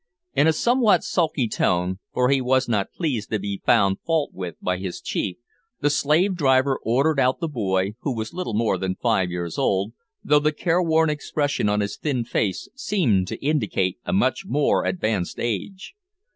In a somewhat sulky tone, for he was not pleased to be found fault with by his chief, the slave driver ordered out the boy, who was little more than five years old, though the careworn expression of his thin face seemed to indicate a much more advanced age.